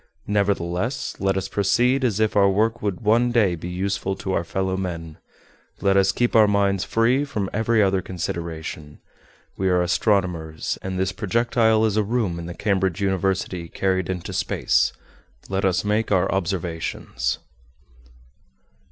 Nevertheless, let us proceed as if our work would one day by useful to our fellow men. Let us keep our minds free from every other consideration. We are astronomers; and this projectile is a room in the Cambridge University, carried into space. Let us make our observations!"